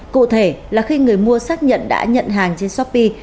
cụ thể là khi người mua xác nhận đã nhận hàng trên shopee